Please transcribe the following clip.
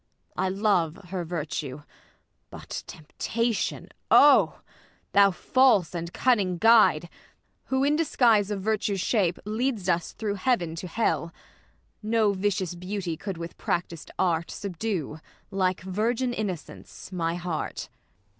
I love her virtue. But, temptation ! 0 ! Thou false and cunning guide ! who in disguise Of virtue's shape lead'st us through heaven to hell. No vicious beauty could with practised art. Subdue, like virgin innocence, my heart.